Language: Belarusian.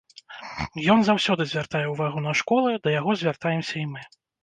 Ён заўсёды звяртае ўвагу на школы, да яго звяртаемся і мы.